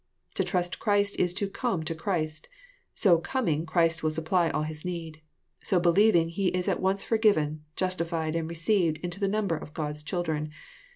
To trust Christ is to " come " to Christ. — So coming," Christ will supply all his need. So believing, he is at once forgiven, justified, and received into the number of God's children.